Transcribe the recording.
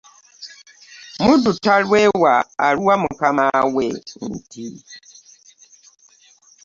Muddu talwewa aluwa mukama we nti ,,,